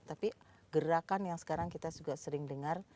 tapi gerakan yang sekarang kita juga sering dengar